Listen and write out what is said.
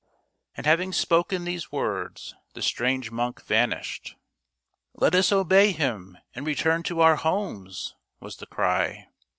" And having spoken these words the strange monk vanished. " Let us obey him and return to our homes," was the cry.